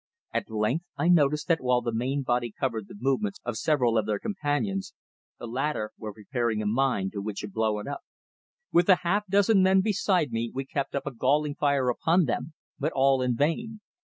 At length I noticed that while the main body covered the movements of several of their companions the latter were preparing a mine by which to blow it up. With the half dozen men beside me we kept up a galling fire upon them, but all in vain.